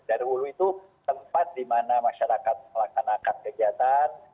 dan hulu itu tempat dimana masyarakat melaksanakan kegiatan